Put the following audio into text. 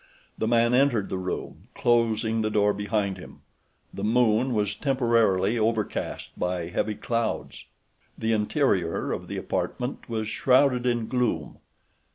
The man entered the room, closing the door behind him. The moon was temporarily overcast by heavy clouds. The interior of the apartment was shrouded in gloom.